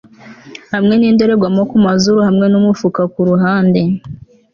Hamwe nindorerwamo kumazuru hamwe numufuka kuruhande